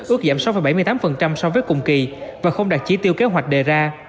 ước giảm sáu bảy mươi tám so với cùng kỳ và không đạt chỉ tiêu kế hoạch đề ra